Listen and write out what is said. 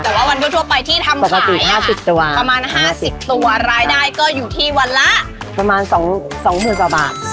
แต่ว่าวันทั่วไปที่ทำขายประมาณ๕๐ตัวรายได้ก็อยู่ที่วันละประมาณ๒๐๐๐กว่าบาท